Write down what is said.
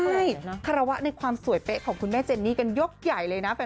ใช่คารวะในความสวยเป๊ะของคุณแม่เจนนี่กันยกใหญ่เลยนะ